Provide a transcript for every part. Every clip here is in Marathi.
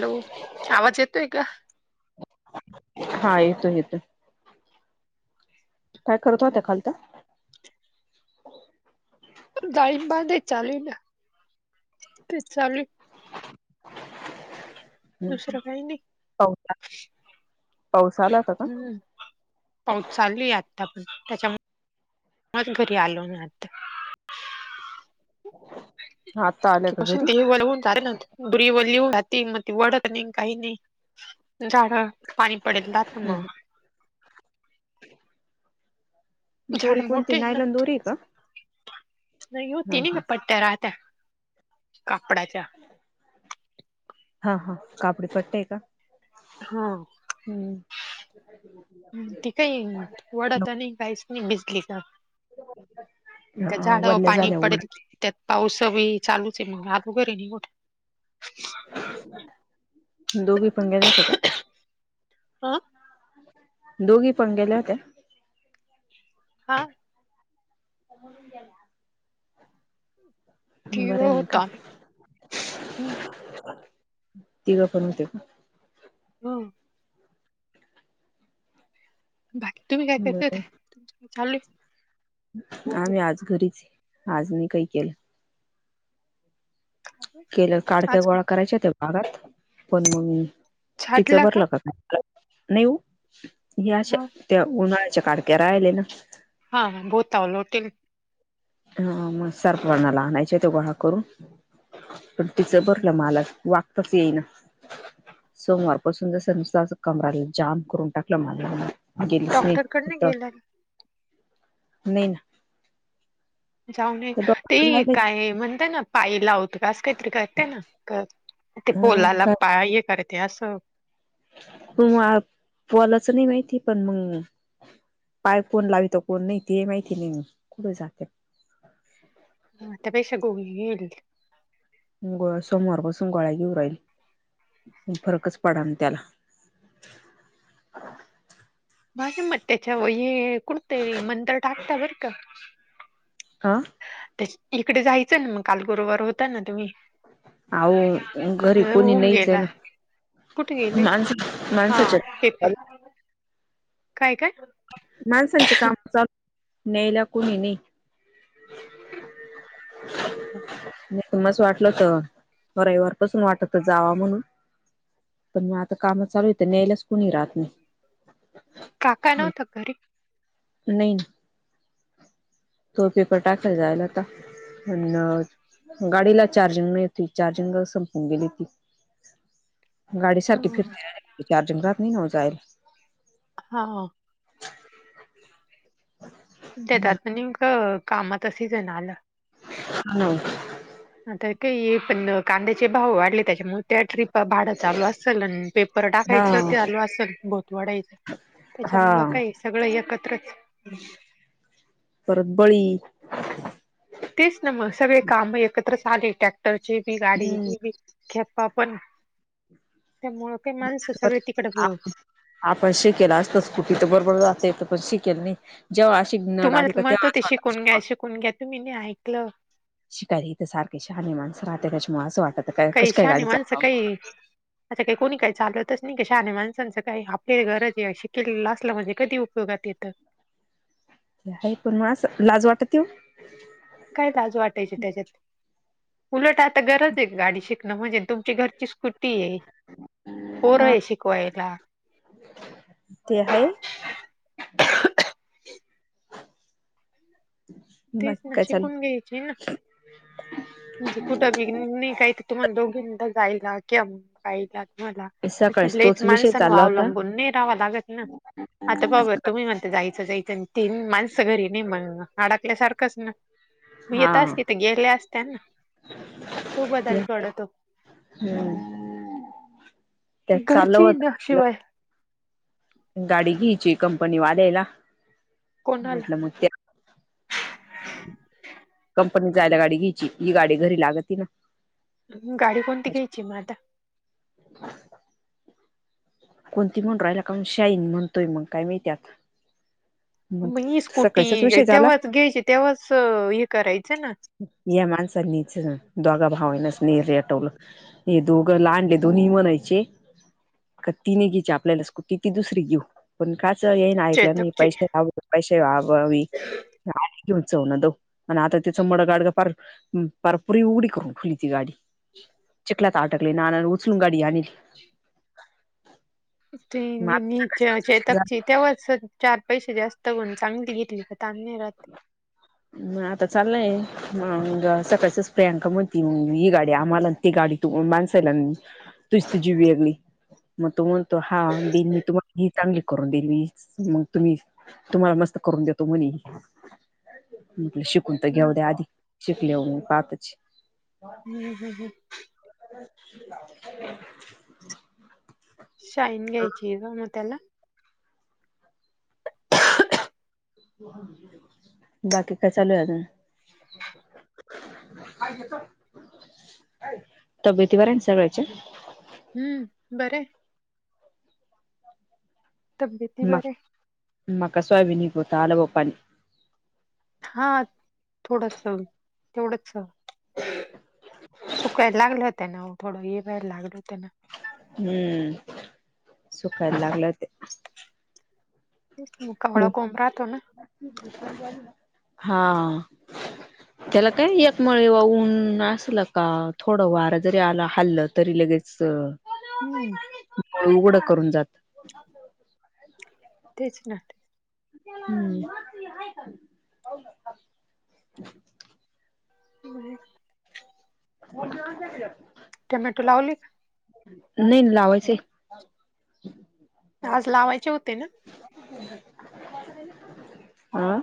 हॅलो आवाज येतोय का हा येतो येत काय करत होत खाल तर जााळीम बाधे चालू ना ते चालू ह दुसरं काही नाही. पासा पाऊसा आलाता का हम्म पाऊस चालूय आता पण त्याच्या घरी आलो ना आता हा आत्ता आल्या का कीपस घरी? तेवाला होन चालेे ना बि व लिह जह मग त वढत नाही काही नाही झाड पाणी पडेल रा हो झाड दोरी मोठ कोणती ना नायलॉन दोरी आहे का? नाही हा होती नाही म हा. पट्ट त्या राहत्या कापडाच्या हा हा कापडी पट्टय का हा हम्म ती काही वडत आणि काहीच नाही भिजली का त्या हा झाड व वल्ल्या पाणी झाल्या ओढ पडेल त्यात पाऊस बी चालूच आहे मग आग वगैरेठ दोघही पणंग्या जात का हा दोघी पण गेल्या होत्या हा म्हणून गला टी व्ही बरं वर आहे म होतो का आम्ही. तिघं पण होते का होम बाकी तुम्ही काय करता बरं चालू आम्ही आज घरीच आज मी काही केलं का? केलं काडक्या आज का? गोळा करायच्या त्या भागात पण तिचं भरलं का नाही? नाहीऊ ओ, ह्या मग अशा उन्हाळ्याच्या काडक्या राहिले ना हा बोलतवलोटेल [unintelligible] ह मग सर्पणाला आणायचे ते गोळा करून पण तिचं बरलं मला वागताच येई ना सोमवारपासून जस नुसत कमराला जाम करून टाकलं मला गेलीच डॉक्टरकडे नाहीता गेला [unintelligible] नाही ना जाऊन तर ते डॉक्टर झालंय काय म्हणत ना पाय लावतं का असं काहीतरी करते ना कर ते हा पोलाला पाय कर ते असं पण [unintelligible] मग पलाचं नाही माहिती पण मग पाय कोण लावितो कोण नाही ते माहिती नाही कुठ जाते. हा तपेशा [unintelligible] गो हे ग सोमवार पाासून गोळा्या घेऊ राहिल, फरकच पडा ना त्याला माझे मत त्याच्या ये कु [unintelligible] डतं मंतर टाकता बर का हां. इकडे जायचं ना मग काल गुरुवार होता ना तुम्ही अहो घरी अ कोणी होऊन नाहीच आहे गेला ना [inaudible] कुठ गेले माणस हा माणसाच्या पेपर काय, काय, माणसांचे काम चालू, न्यायला कोुणी नाही. ह [inaudible] मस वाटलं होत, रविवारपासून वाटत जावा म्हणून पण माझं कामात चालू येतं न्यायलाच कुणी राहत नाही. काका नव्हता का घरी? नाही. तो पेपर टाकल जायला होता. पण गाडीला चार्जिंग नव्हती, चार्जिंग संपून गेली होती. गाडी सारखी हा. फिरते राहते. चारजिंग राहत नाही जायला. हा, हा, देतात नेमक कामाचा सीजन आला. हा [inaudible] आता काही पण कांद्याचे भाव वाढले त्याच्यामुळे त्या ट्रीप भाडा चालू असेल आणि पेपर टाकायचं ते हा चालू असेल भोत वाढायचं हा त्याच्यामुळं काय सगळं एकत्रच परत बळी तेच ना मग सगळे काम एकत्र आले टॅक्टरचे बी हम्म गाडीचे बी खेप्पा पण त्यामुळ आता तर आत [inaudible] आपण शिकेल असत स्कुटी तर बरोबर जे तर पण शिकेल नाही. जेव्हा आशी नड आली तुम्हाला का म्हणत तेव्हा होते वाटत शिकून घ्या शिकावं. शिकून घ्या तुम्ही नाही ऐकलं शिकायला हिथ सारखे शहाने माणस राहते त्याच्यामुळे असं वाटत काय काही कशी काय शाहानी गाडी माणसं चालवाव काही आता कोणी काही सांगतच नाही की शहाण्या माणसांचं काही आपल्या गरजे शिकलेलं असलं म्हणजे कधी उपयोगात येतं. आहे पण म लाज वाटत ती ओ काय लाज वाटायची त्याच्यात. उलट आता गरज आहे गाडी शिकणं म्हणजे तुमची घरची स्कूट हे पोर हा आहे शिकवायला, ते हाय. [unintelligible] तेच बाकी ना काय शिकून चालू घ्यायचे ना. [unintelligible] म्हणजे कुठं बघ नाही काही तर तुम्हाला दोघीदा जायला किंवा पाहिला तुम्हाला. अ सकाळीच ललेच तोच विषय माणसान चालला होता अवलंबून नेह रावा लागत ना. आता बाबा तुम्ही म्हणता जायचं जायचं. तीन माणसं घरी नाही मग अडाकल्यासारखंच ना. मग हा येत अस तिथ गेल्या असत्या ना तो ते बदल कडतो. हम्म त्यात चाललं घरची होत. ना म्हटलं शिवाय. गाडी घ्यायची कंपनी वाल्यायला कोणाला म्हटलं मग त्या कंपनी जायला गाडी घ्यायची ही गाडी घरी लागत ती ना. गाडी कोणती घ्यायची मग आता. कोणती म्हनु राहिला का शाईन म्हणतोय मग काय माहीत आता. मग ही सकाळचाच स्कूटी विषय झाला तेव्हाच घ्यायची तेव्हाच हे करायचं ना. या माणसांनीच दोघा भावन नरेटवलं हे दोघं लांडले दोन्ही म्हणायचे. का तिने घीची आपल्यालासकट त दुसरी घे पण काच येई ना ऐकलं नाही चेतकची पैसे वव पैसे व्हाववी. आ घेऊ चव ना दो आणि आता तिचं मुडं गाडगं फार. परपुरी उडी करून फुलीची गाडी. [inaudible] ला ताटकले ना उचलून गाडी आणल. त मग आता नीच सकाळी उशीर चेताकची झाला ते व चार पैसे जास्त कोण चांगली घेतली तर ्य राात. म आता चाललंय. म सकाळच्याच प्रियांका म्हणती ही गाडी आम्हाला ती गाडी तू माणसायला. तुच तझी भगली मग तो म्हणतो हा दिन मी तुम्हाला. चांगली करून देईल मी मग तुम्ही तुम्हाला मस्त करून देतो म्हणे. म्हटलं शिकून तर हम्म घेऊ द्या आधी शिकलेऊ मी पाहतच. हम हम ह [unintelligible] शाईन घ्यायची आहे ग मग त्याला. बाकी काय चालू आहेज. तब्यती ब आहे सगळ्याच्या. हम्म बर. तब्येती म बरे म कसवाब न पू तला ब पाणी हा थोडस तेवढंच. सुकायला लागले होत ना थडं ए वर लागलोत ना. हम्म सुख एकगलात. मुकावळ कोम राहतो ना. हा. त्याला काय एकमळे वाऊन असल का थोडं वार जरी आला हल्लं तरी लगेच. हम्म उघडं करून जात. तेच नाटक हम्म. म जात. टमॅटो लावली. नाहीय लावायचे. तज लावायचे होते ना. आा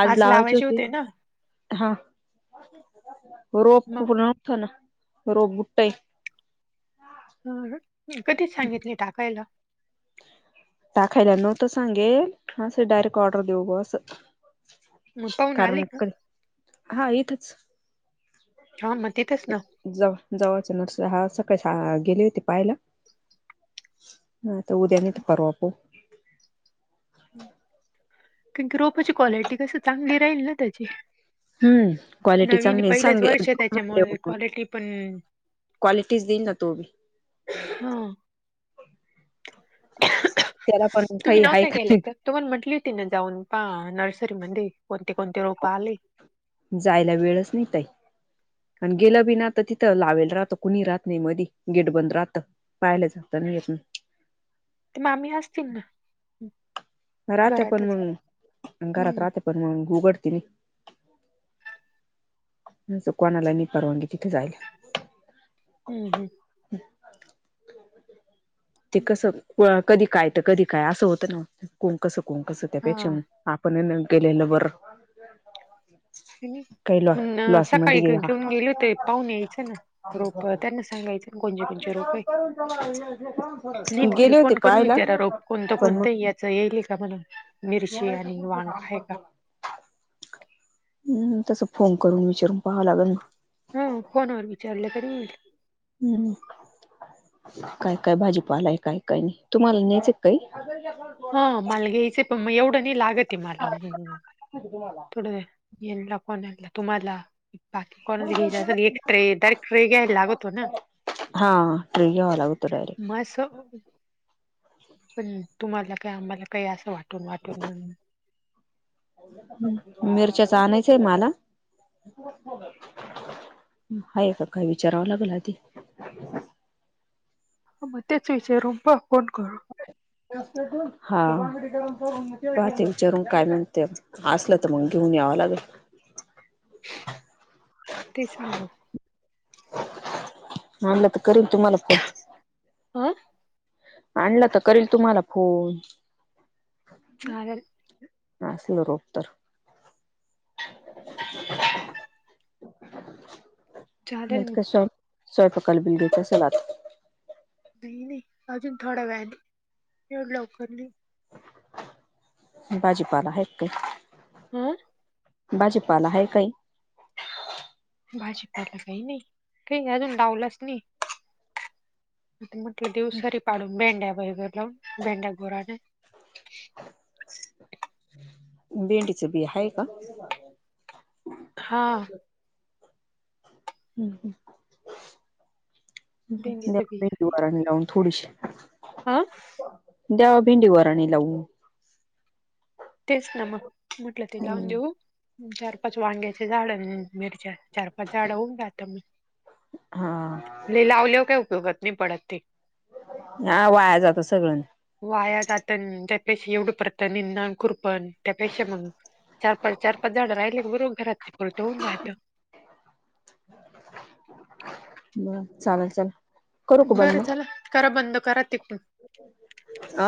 आज लावायचे होते हा रोप मग फथ ना रोप बुटे ह कधीच सांगितले टाकायला टाखयला नत सांगेल असं डायरेक्ट ऑर्डर देऊ बं मग पाहून आले कारण का क हा येतच हा मग तिथच ना जव जवळच नर्स हा सकाळी गेली होती पाहायला हा आता उद्या नाही तर परवा पाहू कं क रोपाची क्वालिटी कस चांगली राहील ना त्याची हम्म क्वालिटी नवीन चांगली पहिलंच वर्ष सांगे त्याच्यामुळे क्वालिटी पण क्वालिटीज देई ना तूी हा त्याला पण तुम्ही काही हाय नव्हता केला नाही, का. तुम्हाला म्हटली हो ती ना जाऊन प नर्सरी मध्ये कोणती कोणती रोप आले जायला वेळच नाही ताई आणि गेलं बी ना तर तिथं लावावेल राहत कुणी राहत नाही मधी गेट बंद राहतं पाहिला जाता नाही येत ना ते मामी असतील ना रहाते पण घरातच मग घरात हम्म राहाते पण मग उघडती नाही कोणाला मी परवानगी तिथे जायला हम् हम् ते कस कुळा कधी काय तर कधी काय असं होतं ना कोण कसं कोण कसं हा त्यापेक्षा आपण केलेलं बर ह मण सकाळी मध्ये घेऊन गेले होते पाहून यायचं ना रोप त्यांना सांगायचं ना कोणते कोणचे रोपयचे नाही तर त्याला गेले होते फोन करून पाहायला विचारा रो कोणतं पण मग कोणतं या येईल का म्हणून मिरची आणि वांगा आहे का हम् तस फोन करून विचारून पाहावं लागेल मग हो फोनवर विचारलं तरी येईल हम्म काय काय भाजीपालाय काय काय नाही तुम्हाला न्यायचं काही हा मला घ्यायच पण एवढं नाही लागत आहे मला थोडं येणला कोणला तुम्हाला बाकी कोणा घ्यायच असेल एक ट्रे दर ट्रे घ्यायला लागतो ना हा ट्रे घ्यावा लागतो डायरेक्ट मास पण तुम्हाला काय आम्हाला काही असं वाटून वाटून मिरच्याच आणायचंय मला हाय का काय विचारावं लागला ती मग तेच विचारून पहा फोन करू हा पाहते विचारून काय म्हणते असलं तर मग घेऊन यावं लागेल तेच ना म आणलं तर करेन तुम्हाला फोन हं आणलं तर करील तुम्हाला फोन चालल असेल रोप तर [inaudible] म चालेल मग काय स्वयंपाकाला बिलगिच असाल आता नाही नाही अजून थोडा वेळानी एवढ्या लवकर नाही बाजीपाला हायत का हम काही भाजीपाला आहे काही भाजीपाडला काही नाही काही अजून लाडावलाच नाही म्हटलं देव सरी पाडून भेंड्या व भेंड्या घोराने भेंडीचं बी आहे का हा म भेंडीचं बी आहे दवारणी लावून थोडीशी हा द्या भिंडीवरणी लावू तेच ना मग म्हटलं ते लावून हम्म. देऊ चार पाच वांग्याचे झाड मिरच्या चार पाच झाडं होऊन राहता मी हा लावलेवर काय उपयोगात नाही पडत ते हा वाया जातो सगळं वाया जातात त्या पै एवढं पतंुर पण त्यापेक्षा मग चार पाच चार पाच जण राहिले की बरोबर घरात परत होन राहातं ब चालेल चाल बरं चला करा बंद करा तिकडून अ